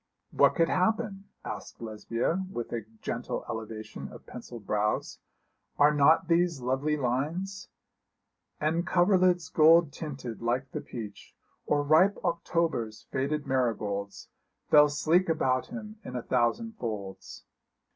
'What could happen?' asked Lesbia, with a gentle elevation of pencilled brows. 'Are not these lovely lines "And coverlids gold tinted like the peach, Or ripe October's faded marigolds, Fell sleek about him in a thousand folds."